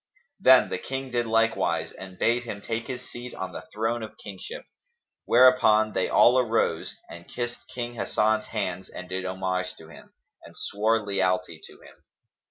Then the King did likewise and bade him take his seat on the throne of kingship; whereupon they all arose and kissed King Hasan's hands and did homage to him, and swore lealty to him.